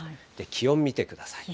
気温見てください。